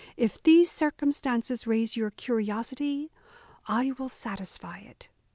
If these circumstances raise your curiosity, I will satisfy it."